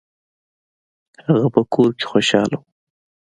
هغه په کور کې خوشحاله و.